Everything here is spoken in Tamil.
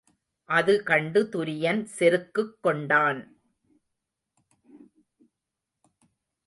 அதுகண்டு துரியன் செருக்குக் கொண்டான்.